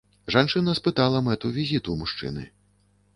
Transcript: Жанчына спытала мэту візіту мужчыны.